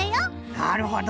なるほど。